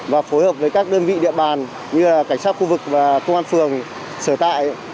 và phối hợp với các đơn vị địa bàn như cảnh sát khu vực và công an phường sở tại